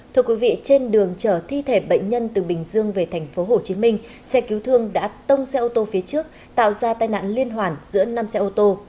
thưa quý vị trên đường chở thi thể bệnh nhân từ bình dương về tp hcm xe cứu thương đã tông xe ô tô phía trước tạo ra tai nạn liên hoàn giữa năm xe ô tô